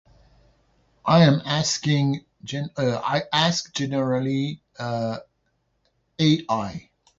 I am asking gen- I ask generally AI.